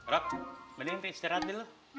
rob mending istirahat dulu